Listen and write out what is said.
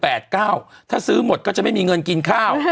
เป็นการกระตุ้นการไหลเวียนของเลือด